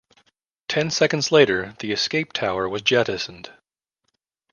Ten seconds later, the escape tower was jettisoned.